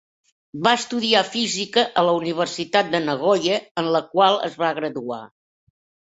Va estudiar física a la Universitat de Nagoya, en la qual es va graduar.